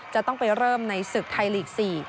จะต้องไปเริ่มในศึกไทยลีก๔